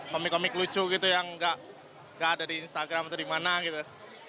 komik komik lucu gitu yang gak ada di instagram atau di mana gitu